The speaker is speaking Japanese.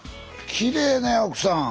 きれいね奥さん。